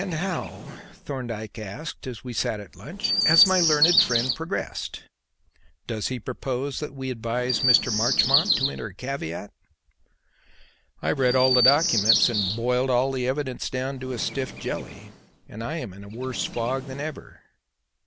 "And how," Thorndyke asked as we sat at lunch, "has my learned friend progressed? Does he propose that we advise Mr. Marchmont to enter a caveat?" "I've read all the documents and boiled all the evidence down to a stiff jelly; and I am in a worse fog than ever."